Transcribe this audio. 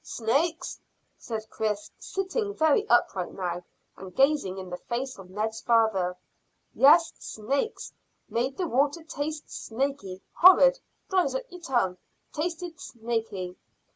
Snakes?" said Chris, sitting very upright now, and gazing in the face of Ned's father. "Yes, snakes. Made the water taste snaky. Horrid! Dries up your tongue. Tasted snaky."